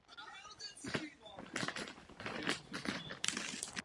Většina z nich je ve vodě docela dobře rozpustná.